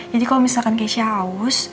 jadi kalau misalkan keisha haus